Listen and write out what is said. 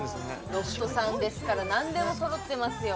ロフトさんですから何でもそろってますよ。